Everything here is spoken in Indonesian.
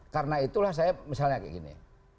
karena itulah saya misalnya kayak gini